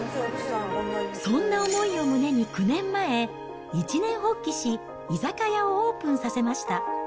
そんな思いを胸に９年前、一念発起し居酒屋をオープンさせました。